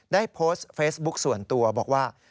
ได้โพสต์เฟซบุ๊คส่วนตัวบอกว่า